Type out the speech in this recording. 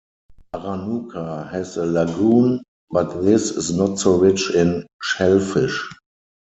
Aranuka has a lagoon, but this is not so rich in shellfish.